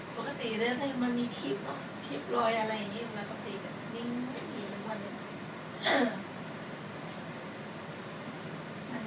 ปกติด้วยถ้ามันมีคลิปคลิปรวยอะไรอย่างงี้มันปกติก็ดิ้งไม่มีแล้วกว่าดึง